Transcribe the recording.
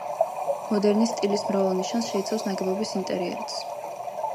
მოდერნის სტილის მრავალ ნიშანს შეიცავს ნაგებობის ინტერიერიც.